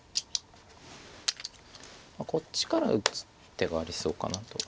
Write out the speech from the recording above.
こっちから打つ手がありそうかなと。